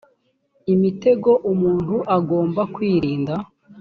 imitego umuntu agomba kwirinda